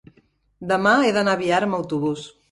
Demà he d'anar a Biar amb autobús.